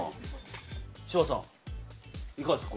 柴田さん、いかがですか？